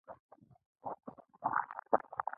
ازادي راډیو د اقتصاد حالت په ډاګه کړی.